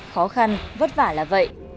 khó khăn vất vả là vậy